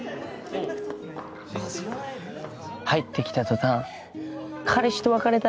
入ってきた途端「彼氏と別れた！」。